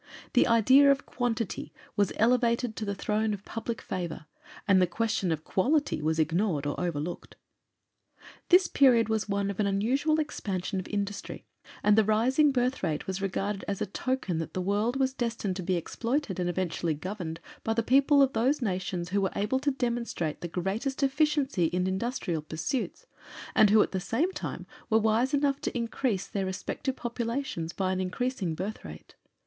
The idea of QUANTITY was elevated to the throne of public favor, and the question of QUALITY was ignored or overlooked. This period was one of an unusual expansion of industry, and the rising birth rate was regarded as a token that the world was destined to be exploited and eventually governed by the people of those nations who were able to demonstrate the greatest efficiency in industrial pursuits, and who at the same time were wise enough to increase their respective populations by an increasing birth rate.